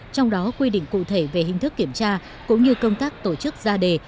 trong đó quy định cụ thể về hình thức kiểm tra cũng như công tác tổ chức ra đề